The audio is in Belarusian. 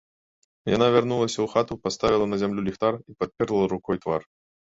Яна вярнулася ў хату, паставіла на зямлю ліхтар і падперла рукой твар.